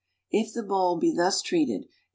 If the liowl be thus treated and l!